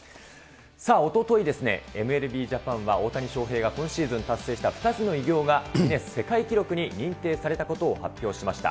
さあ、おととい、ＭＬＢジャパンでは大谷翔平が今シーズン達成した２つの偉業が、世界記録に認定されたことを発表しました。